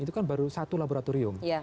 itu kan baru satu laboratorium